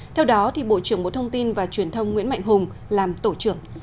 theo đó bộ trưởng bộ thông tin và truyền thông nguyễn mạnh hùng làm tổ trưởng